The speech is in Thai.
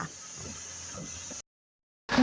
ไปไปกับใคร